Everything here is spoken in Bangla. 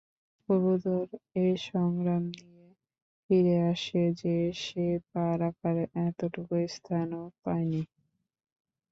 কবুতর এ সংবাদ নিয়ে ফিরে আসে যে, সে পা রাখার এতটুকু স্থানও পায়নি।